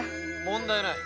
問題ない。